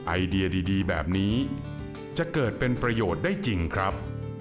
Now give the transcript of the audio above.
ไอเดียดีแบบนี้จะเกิดเป็นประโยชน์ได้จริงครับ